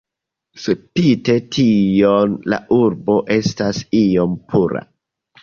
Spite tion la urbo estas iom pura.